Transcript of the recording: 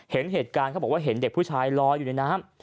เห็นเหตุการณ์เขาบอกว่าเห็นเด็กผู้ชายลอยอยู่ในน้ำ